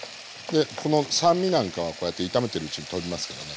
この酸味なんかはこうやって炒めてるうちにとびますからね。